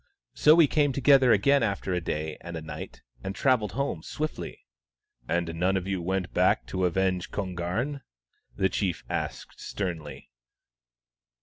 So we came together again after a day and a night, and travelled home swiftly," " And none of you went back to avenge Kon garn ?" the chief asked, sternly.